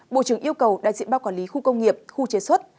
bộ trưởng yêu cầu đại diện ban quản lý khu công nghiệp khu chế xuất